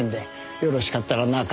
よろしかったら中へ。